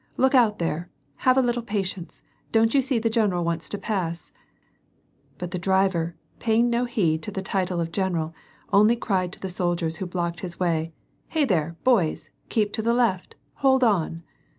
" Look out there ! Have a little patience, don't you see the general wants to pass ?" But the driver, paying no heed to the title of general, only cried to the soldiers who blocked his way: "Hey there; boys! keep to the left, hold on